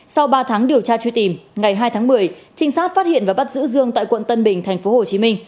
sau ba tháng điều tra truy tìm ngày hai tháng một mươi trinh sát phát hiện và bắt giữ dương tại quận tân bình tp hcm